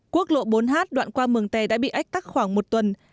quốc lộ bốn h đoạn qua mường tè đã bị ách tắc khoảng một tuần